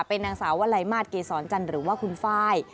เป็นนางสาววลัยมาสเกษรจันทร์หรือว่าคุณไฟล์